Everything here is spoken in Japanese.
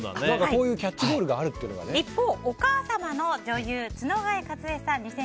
こういうキャッチボールが一方、お母様の女優・角替和枝さん